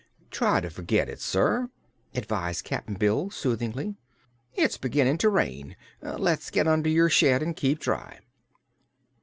"Try to forget it, sir," advised Cap'n Bill, soothingly. "It's beginning to rain. Let's get under your shed and keep dry."